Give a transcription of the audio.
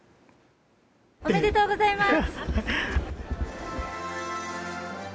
おめでとうございます。